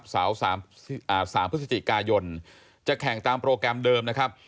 เสาร์๓พฤศจิกายนจะแข่งตามโปรแกรมเดิม